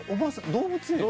「動物園」は？